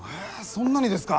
そんなにですか？